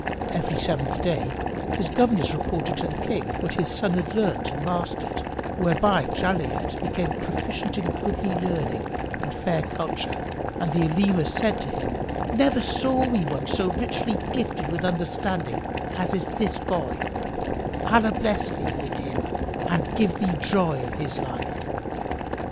Every seventh day his governors reported to the King what his son had learnt and mastered, whereby Jali'ad became proficient in goodly learning and fair culture, and the Olema said to him, "Never saw we one so richly gifted with understanding as is this boy: Allah bless thee in him and give thee joy of his life!"